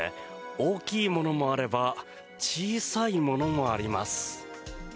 大きいものもあれば小さいものもあります。